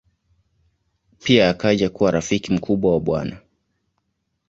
Pia akaja kuwa rafiki mkubwa wa Bw.